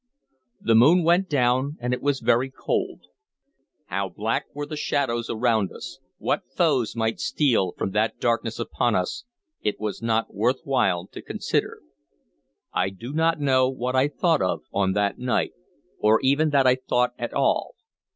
The moon went down, and it was very cold. How black were the shadows around us, what foes might steal from that darkness upon us, it was not worth while to consider. I do not know what I thought of on that night, or even that I thought at all.